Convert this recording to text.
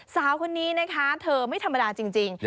สาวคนนี้นะคะเธอไม่ธรรมดาจริง